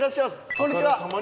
こんにちは！